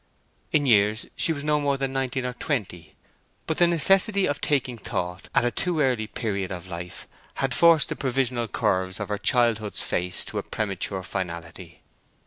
In years she was no more than nineteen or twenty, but the necessity of taking thought at a too early period of life had forced the provisional curves of her childhood's face to a premature finality.